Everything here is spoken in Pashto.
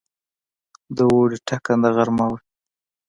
د اوړي ټکنده غرمه وه.